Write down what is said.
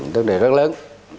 vấn đề rất lớn